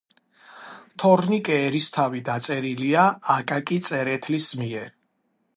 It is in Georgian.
თორნიკე ერისთავი დაწერილია აკაკი წერეთლის მიერ